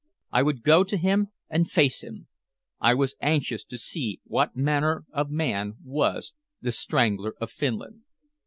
I would go to him and face him. I was anxious to see what manner of man was "The Strangler of Finland."